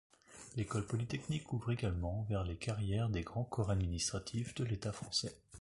L'École polytechnique ouvre également vers les carrières des grands corps administratif de l'État français.